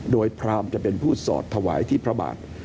โดยพรามจะเป็นผู้สอดถวายที่พระบาท